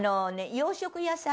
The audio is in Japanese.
洋食屋さん